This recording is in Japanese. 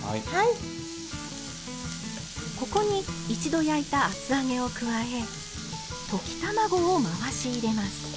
ここに一度焼いた厚揚げを加え溶き卵を回し入れます。